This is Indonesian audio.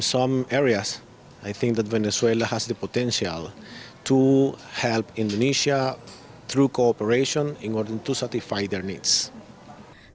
saya pikir bahwa venezuela memiliki potensi untuk membantu indonesia melalui kooperasi untuk mencapai kebutuhan mereka